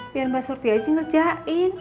biar mbak surti aja ngerjain